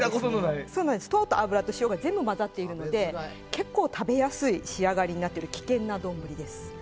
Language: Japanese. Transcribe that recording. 糖と油と塩が全部混ざっているので結構、食べやすい仕上がりになっている危険な丼です。